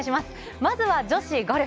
まずは女子ゴルフ。